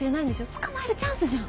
捕まえるチャンスじゃん！